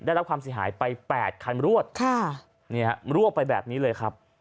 ได้รับความเสียหายไป๘คันรวดรวบไปแบบนี้เลยครับ